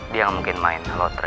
dia mungkin main